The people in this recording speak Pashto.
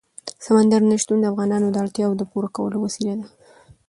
سمندر نه شتون د افغانانو د اړتیاوو د پوره کولو وسیله ده.